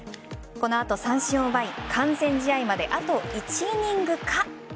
この後、三振を奪い完全試合まであと１イニングか。